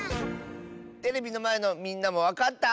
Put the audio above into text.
テレビのまえのみんなもわかった？